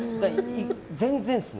全然ですね。